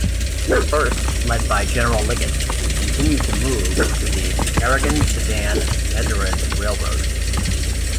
The First, led by General Liggett, would continue to move to the Carignan-Sedan-Mezieres Railroad.